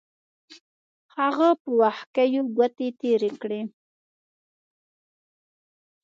هغه په وښکیو ګوتې تېرې کړې.